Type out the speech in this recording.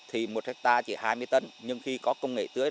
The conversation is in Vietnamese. thì một hectare chỉ hai mươi tấn nhưng khi có công nghệ tưới